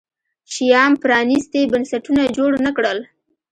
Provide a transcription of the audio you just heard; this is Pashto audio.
شیام پرانیستي بنسټونه جوړ نه کړل.